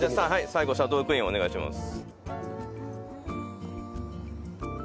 最後シャドークイーンをお願いします。